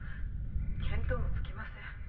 見当もつきません。